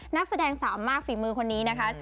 นักแสดงสาวมากฝีมือคนนี้นะคะ